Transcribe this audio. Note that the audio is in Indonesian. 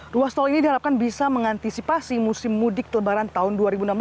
ruas tol ini diharapkan bisa mengantisipasi musim mudik lebaran tahun dua ribu enam belas